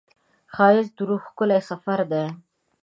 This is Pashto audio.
ښایست د روح ښکلی سفر دی